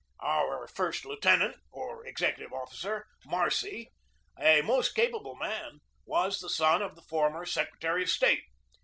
Our first lieu tenant, or executive officer, Marcy, a most capable man, was the son of the former secretary of state.